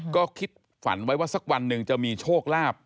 ก็คิดฝันไว้ว่าสักวันหนึ่งจะมีโชคลาภ